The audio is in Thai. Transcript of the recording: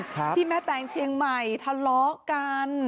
ที่แม่แตงเชียงใหม่ทะเลาะกัน